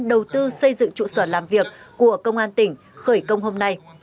đầu tư xây dựng trụ sở làm việc của công an tỉnh khởi công hôm nay